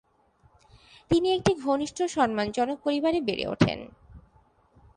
তিনি একটি ঘনিষ্ঠ, সম্মানজনক পরিবারে বেড়ে ওঠেন।